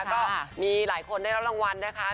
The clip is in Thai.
ก็มีหลายคนได้รับรางวัลนะคะ